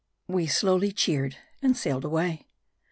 We slowly cheered, and sailed away.